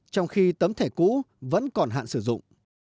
trong khi tấm thẻ cũ vẫn còn hạn sử dụng